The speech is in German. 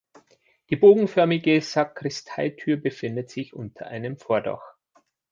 Die bogenförmige Sakristeitür befindet sich unter einem Vordach.